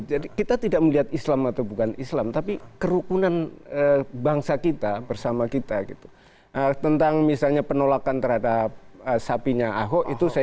jadi kita tidak melihat islam atau bukan islam tapi kerukunan bangsa kita bersama kita gitu